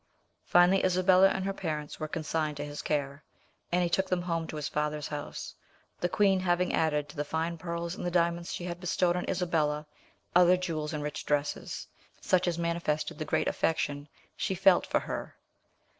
Finally, Isabella and her parents were consigned to his care, and he took them home to his father's house, the queen having added to the fine pearls and the diamonds she had bestowed on Isabella other jewels and rich dresses, such as manifested the great affection she felt for her.